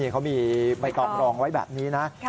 เขามีใบตองรองไว้แบบนี้นะ